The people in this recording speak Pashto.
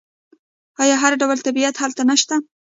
آیا هر ډول طبیعت هلته نشته؟